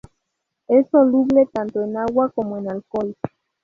Es soluble tanto en agua como en alcohol.